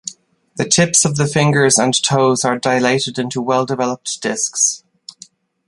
The tips of the fingers and toes are dilated into well-developed disks.